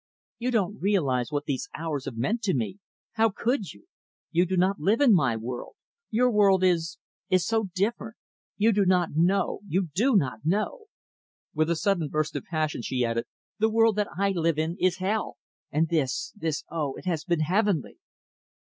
"You don't realize what these hours have meant to me how could you? You do not live in my world. Your world is is so different You do not know you do not know." With a sudden burst of passion, she added, "The world that I live in is hell; and this this oh, it has been heavenly!"